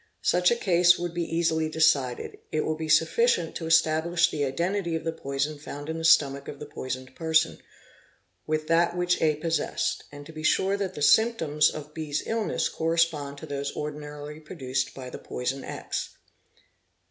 Such a case — would be easily decided ; it will be sufficient to establish the identity of the poison found in the stomach of the poisoned person, with that which A possessed, and to be sure that the symptoms of B's illness correspond to those ordinarily produced by the poison X.